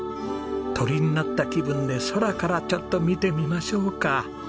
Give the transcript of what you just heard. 鳥になった気分で空からちょっと見てみましょうか。